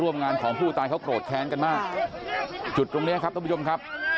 งานของผู้ตายเขาโกรธแค้นกันมากจุดตรงเนี้ยครับท่านผู้ชมครับ